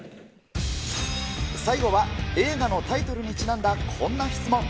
最後は映画のタイトルにちなんだ、こんな質問。